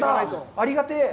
ありがて。